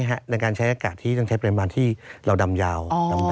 ในการใช้อากาศที่ต้องใช้ปริมาณที่เราดำยาว